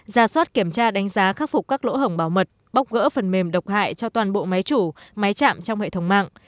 ra soát kiểm tra đánh giá khắc phục các lỗ hổng bảo mật bóc gỡ phần mềm độc hại cho toàn bộ máy chủ máy chạm trong hệ thống mạng